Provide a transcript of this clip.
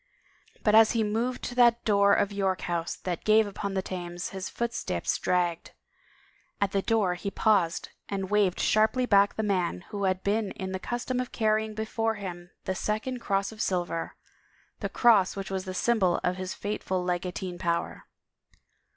But as he moved to that door of York House that gave upon the Thames his footsteps dragged. At the door he paused and waved sharply back the man who had been in the custom of carrying before him the second cross of silver, the cross which was the symbol of his fateful legatine power.